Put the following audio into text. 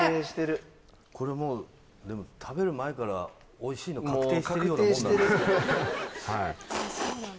これもうでも食べる前からおいしいの確定してるようなものなんですけど。